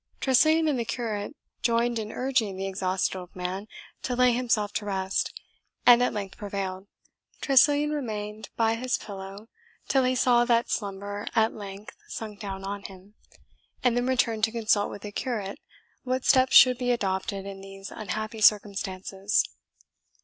Tressilian and the curate joined in urging the exhausted old man to lay himself to rest, and at length prevailed. Tressilian remained by his pillow till he saw that slumber at length sunk down on him, and then returned to consult with the curate what steps should be adopted in these unhappy circumstances.